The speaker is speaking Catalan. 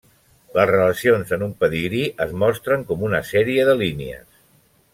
Les relacions en un pedigrí es mostren com una sèrie de línies.